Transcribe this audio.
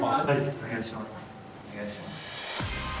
お願いします。